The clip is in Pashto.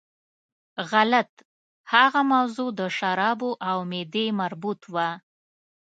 غلط، هغه موضوع د شرابو او معدې مربوط وه.